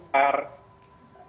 sebetulnya bagian efek dari